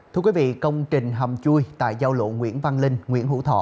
thưa quý vị công trình hầm chui tại giao lộ nguyễn văn linh nguyễn hữu thọ